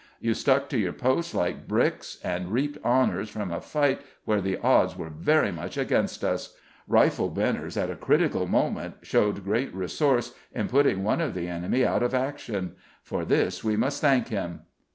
You stuck to your posts like bricks and reaped honours from a fight where the odds were very much against us. Rifleman Benners at a critical moment showed great resource in putting one of the enemy out of action. For this we must thank him."